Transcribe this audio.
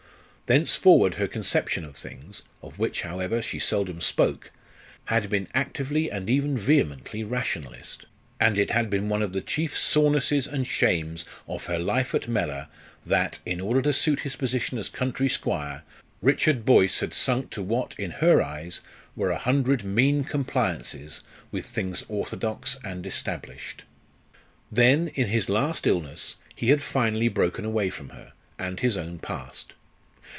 Thenceforward her conception of things of which, however, she seldom spoke had been actively and even vehemently rationalist; and it had been one of the chief sorenesses and shames of her life at Mellor that, in order to suit his position as country squire, Richard Boyce had sunk to what, in her eyes, were a hundred mean compliances with things orthodox and established. Then, in his last illness, he had finally broken away from her, and his own past.